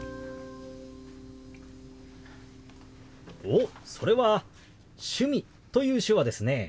おっそれは「趣味」という手話ですね。